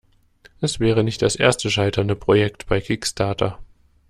Es wäre nicht das erste scheiternde Projekt bei Kickstarter.